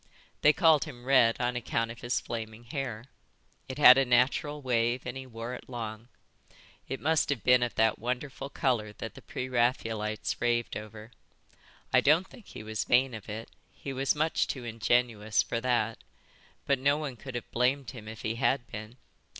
They called him Red on account of his flaming hair. It had a natural wave and he wore it long. It must have been of that wonderful colour that the pre Raphaelites raved over. I don't think he was vain of it, he was much too ingenuous for that, but no one could have blamed him if he had been.